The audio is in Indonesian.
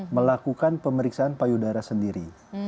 melakukan pemeriksaan payudara sendiri